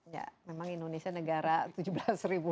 ya memang indonesia negara ini sangat berkembang